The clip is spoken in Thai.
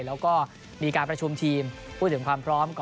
แล้วก็มีการประชุมทีมพูดถึงความพร้อม